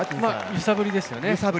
揺さぶりですね。